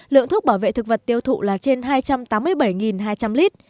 lượng thuốc bảo vệ thực vật tiêu thụ là trên hai trăm tám mươi bảy hai trăm linh lít